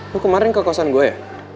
aku kemarin ke kosan gue ya